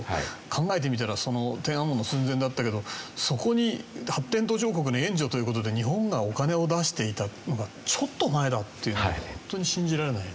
考えてみたら天安門の寸前だったけどそこに発展途上国に援助という事で日本がお金を出していたのがちょっと前だっていうのが本当に信じられない。